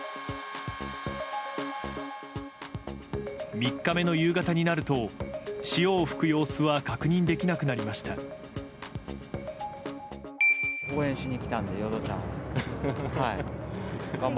３日目の夕方になると潮を吹く様子は確認できなくなりました。